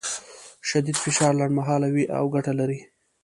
شدید فشار لنډمهاله وي او ګټه لري.